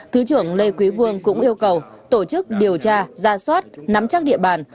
thứ trưởng lê quý vương cũng yêu cầu tổ chức điều tra ra soát nắm chắc địa bàn